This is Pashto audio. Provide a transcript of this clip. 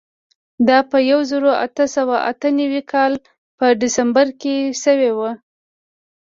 دا په یوه زرو اتو سوو اته نوېم کال په ډسمبر کې شوې وه.